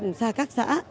cùng xa các xã